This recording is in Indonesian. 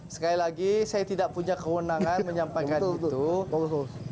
sekali lagi saya tidak punya kewenangan menyampaikan itu